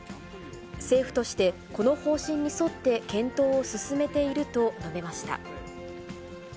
政府として、この方針に沿って検討を進めていると述べました。